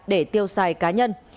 để tiêu xài cá nhân